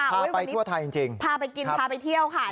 พาไปทั่วไทยจริงพาไปกินพาไปเที่ยวค่ะ